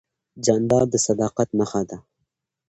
جانداد د صداقت نښه ده.